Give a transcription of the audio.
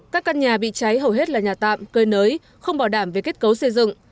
các căn nhà bị cháy hầu hết là nhà tạm cơi nới không bảo đảm về kết cấu xây dựng